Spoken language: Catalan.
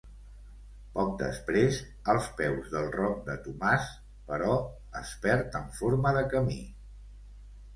Poc després, als peus del Roc de Tomàs, però, es perd en forma de camí.